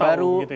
rantau gitu ya